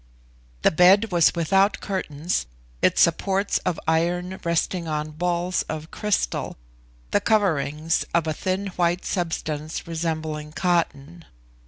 The bed was without curtains, its supports of iron resting on balls of crystal; the coverings, of a thin white substance resembling cotton.